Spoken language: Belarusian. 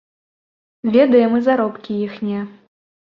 Ведаем і заробкі іхнія.